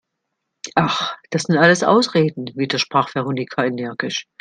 Ach, das sind alles Ausreden!, widersprach Veronika energisch.